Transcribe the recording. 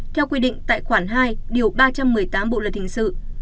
theo quy định tại khoản hai điều ba trăm một mươi tám bộ luật hình sự